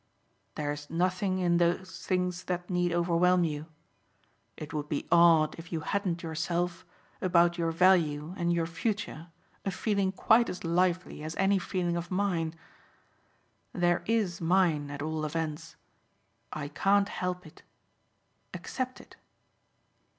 "There's nothing in those things that need overwhelm you. It would be odd if you hadn't yourself, about your value and your future a feeling quite as lively as any feeling of mine. There IS mine at all events. I can't help it. Accept it.